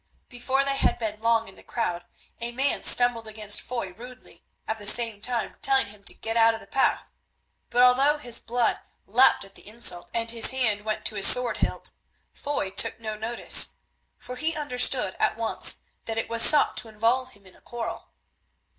Before they had been long in the crowd a man stumbled against Foy rudely, at the same time telling him to get out of the path. But although his blood leapt at the insult and his hand went to his sword hilt, Foy took no notice, for he understood at once that it was sought to involve him in a quarrel.